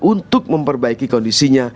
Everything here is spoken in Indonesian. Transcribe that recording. untuk memperbaiki kondisinya